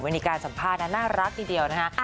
วันนี้การสัมภาษณ์น่ารักทีเดียวนะคะ